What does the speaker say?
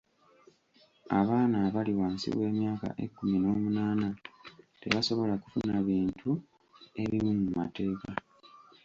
Abaana abali wansi w'emyaka ekkumi n'omunaana tebasobola kufuna bintu ebimu mu mateeka.